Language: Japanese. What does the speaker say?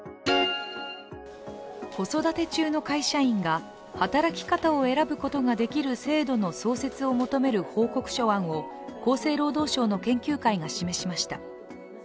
子育て中の会社員が働き方を選ぶことができる創設を求める報告書案を厚生労働省の研究会が示しました。